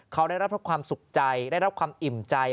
เขาได้รับเพราะความสุขใจได้รับความอิ่มใจ